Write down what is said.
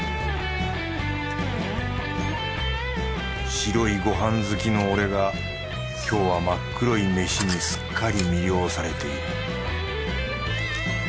白いご飯好きの俺が今日は真っ黒い飯にすっかり魅了されている